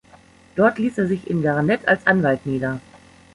Dort ließ er sich in Garnett als Anwalt nieder.